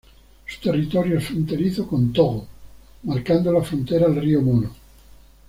Su territorio es fronterizo con Togo, marcando la frontera el río Mono.